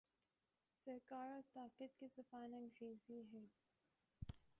سرکار اور طاقت کی زبان انگریزی ہے۔